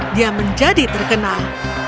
dia menjadi terkenal